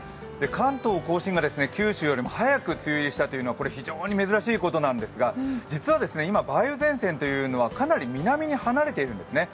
関東甲信が九州よりも早く梅雨入りしたというのは非常に珍しいことなんですが実はですね、梅雨前線というのはかなり南に離れているんですね。